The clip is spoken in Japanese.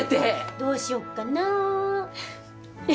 どうしよっかな